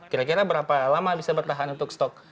kira kira berapa lama bisa bertahan untuk stok